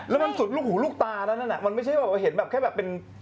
แล้วมันสุดลูกหูลูกตามันไม่ใช่เห็นแค่แบบเป็น